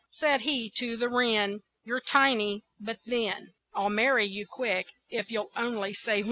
Said he to the wren: "You're tiny, but then I'll marry you quick, if you'll only say when."